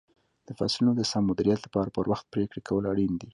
د فصلونو د سم مدیریت لپاره پر وخت پرېکړې کول اړین دي.